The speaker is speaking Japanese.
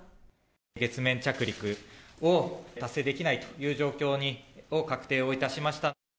月面着陸を達成できないという状況を、確定をいたしました。